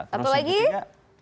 terus yang ketiga